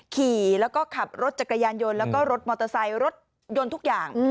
ขี่แล้วก็ขับรถจักรยานยนต์แล้วก็รถมอเตอร์ไซค์รถยนต์ทุกอย่าง